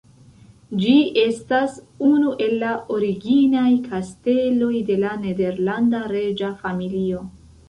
Ĝi estas unu el la originaj kasteloj de la nederlanda reĝa familio.